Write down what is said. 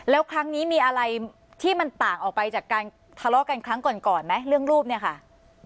แล้วครั้งนี้มีอะไรที่มันต่างออกไปจากการทะเลาะกันครั้งก่อนก่อนไหมเรื่องรูปเนี่ยค่ะ